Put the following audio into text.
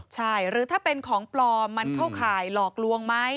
ใช่หรือถ้าเป็นของปลอมมันเข้าข่ายหลอกลวงไหม